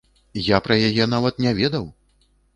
Я пра яе нават не ведаў!